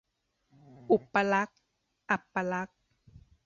อุปลักษณ์-อัปลักษณ์